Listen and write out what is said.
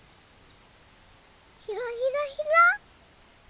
ひらひらひら。